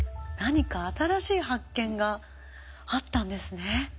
何か新しい発見があったんですね。